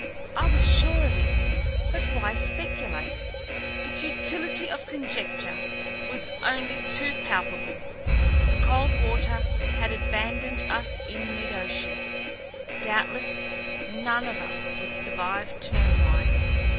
I was sure of it but why speculate? The futility of conjecture was only too palpable. The Coldwater had abandoned us in midocean. Doubtless none of us would survive to know why.